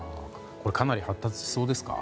かなり発達しそうですか？